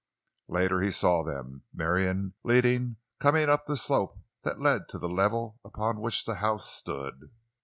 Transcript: Later he saw them, Marion leading, coming up the slope that led to the level upon which the house stood.